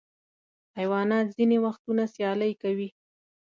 حیوانات ځینې وختونه سیالۍ کوي.